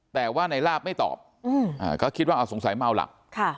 แต่ว่านายลาบไม่ตอบอืมอ่าก็คิดว่าอ่าสงสัยเมาหลักค่ะ